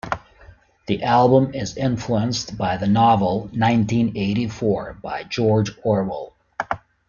The album is influenced by the novel "Nineteen Eighty-Four" by George Orwell.